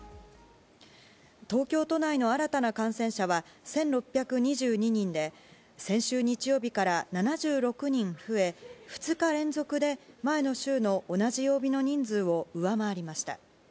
東京都内の新たな感染者は１６２２人で、先週日曜日から７６人増え、２日連続で前の週の同じ曜日の人数を上回りました。